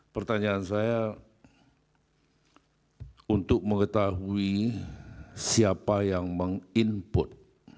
pertanyaan saya untuk mengetahui siapa yang meng input